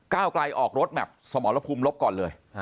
ไกลออกรถแมพสมรภูมิลบก่อนเลย